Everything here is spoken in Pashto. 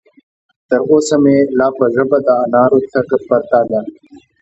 تر اوسه مې لا په ژبه د انارو څکه پرته ده.